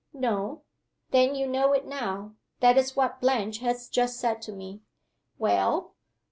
"No." "Then you know it now. That is what Blanche has just said to me." "Well?"